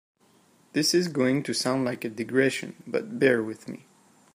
This is going to sound like a digression, but bear with me.